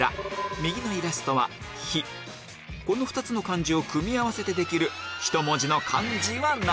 この２つの漢字を組み合わせてできる１文字の漢字は何？